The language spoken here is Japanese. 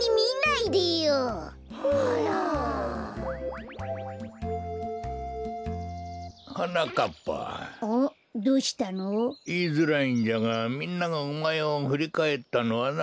いいづらいんじゃがみんながおまえをふりかえったのはな。